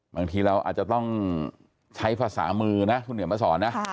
บางทีเราอาจจะต้องใช้ภาษามือนะคุณเหนียวมาสอนนะ